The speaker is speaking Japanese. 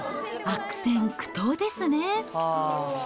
悪戦苦闘ですね。